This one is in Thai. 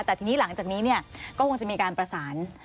แต่ทีนี้หลังจากนี้ก็คงจะมีการประสาน